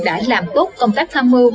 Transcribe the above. đã làm tốt công tác tham mưu